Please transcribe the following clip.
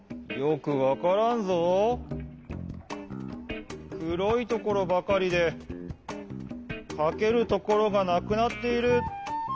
くろいところばかりでかけるところがなくなっている。